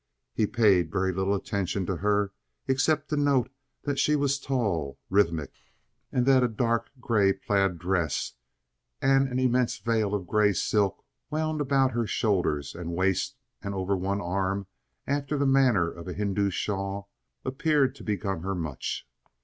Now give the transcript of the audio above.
He paid very little attention to her, except to note that she was tall, rhythmic, and that a dark gray plaid dress, and an immense veil of gray silk wound about her shoulders and waist and over one arm, after the manner of a Hindu shawl, appeared to become her much.